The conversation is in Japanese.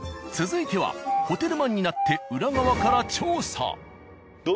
続いてはホテルマンになって裏側から調査。